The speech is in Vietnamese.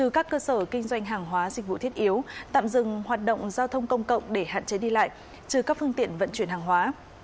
các cơ sở kinh doanh hàng hóa dịch vụ thiết yếu tạm dừng hoạt động giao thông công cộng để hạn chế đi lại trừ các phương tiện vận chuyển hàng hóa